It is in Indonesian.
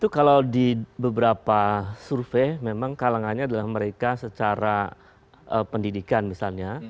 kalau di beberapa survei memang kalangannya adalah mereka secara pendidikan misalnya